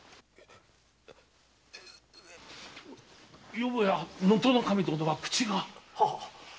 よもや能登守殿は口が？